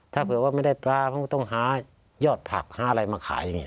ถ้าเผื่อว่าไม่ได้ปลามันก็ต้องหายอดผักหาอะไรมาขายอย่างนี้